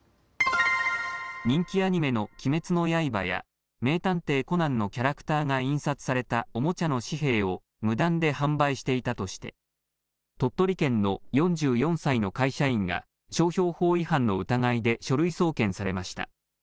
人気アニメの鬼滅の刃や名探偵コナンのキャラクターが印刷されたおもちゃの紙幣を無断で販売していたとして鳥取県の４４歳の会社員が商標法違反の疑いで書類送検されました。